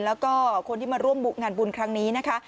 แล้วก็คนที่มาร่วมงานบุญครั้งนี้นะคะ